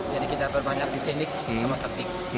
jadi kita berbanyak di teknik sama taktik